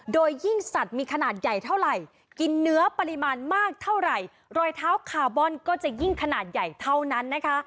โดยยิ่งสัตว์มีขนาดใหญ่เท่าไหร่กินเนื้อปริมาณมากเท่าไหร่รอยเท้าคาร์บอนก็จะยิ่งขนาดใหญ่เท่านั้นนะคะ